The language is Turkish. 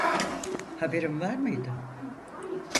Haberin var mıydı?